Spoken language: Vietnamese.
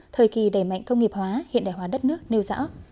thời kỳ đẩy mạnh công nghiệp hóa hiện đại hóa đất nước nêu rõ